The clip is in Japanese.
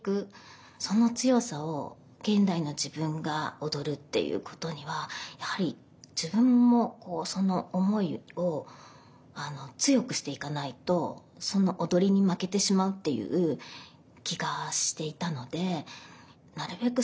その強さを現代の自分が踊るっていうことにはやはり自分もその思いを強くしていかないとその踊りに負けてしまうっていう気がしていたのでなるべく